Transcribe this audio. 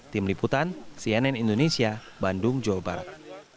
tim liputan cnn indonesia bandung jawa barat